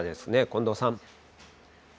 近藤さん。